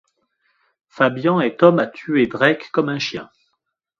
Fabian est homme à tuer Drake comme un chien.